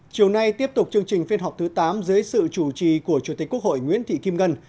chiều nay tiếp tục chương trình phiên họp thứ tám dưới sự chủ trì của chủ tịch quốc hội nguyễn thị kim ngân